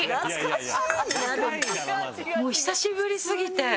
もう久しぶりすぎて。